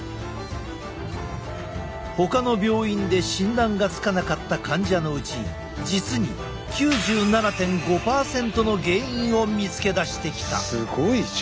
ほかの病院で診断がつかなかった患者のうち実に９７．５％の原因を見つけ出してきた。